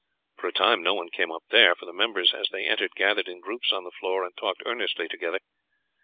For a time no one came up there, for the members as they entered gathered in groups on the floor and talked earnestly together.